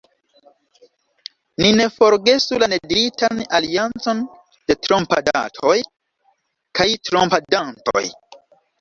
Ni ne forgesu la nediritan aliancon de trompadatoj kaj trompadantoj.